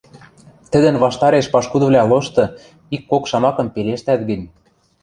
Тӹдӹн ваштареш пашкудывлӓ лошты ик-кок шамакым пелештӓт гӹнь